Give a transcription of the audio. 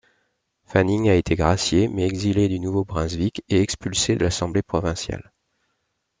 Fanning a été gracié mais exilé du Nouveau-Brunswick et expulsé de l'assemblée provinciale.